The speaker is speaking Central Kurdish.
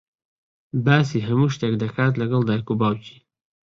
باسی هەموو شتێک دەکات لەگەڵ دایک و باوکی.